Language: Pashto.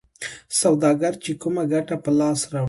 سوداګر چې کومه ګټه په لاس راوړي